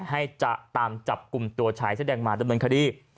ให้ตามจับกลุ่มตัวชายเสียดางมาตำรวงคดี